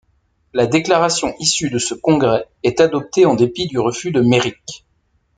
La déclaration issue de ce congrès est adoptée en dépit du refus de Méric.